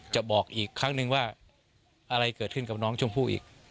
บอกอีกครั้งนึงว่าอะไรเกิดขึ้นกับน้องชมพู่อีก